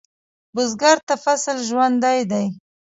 بزګر ته فصل ژوند دی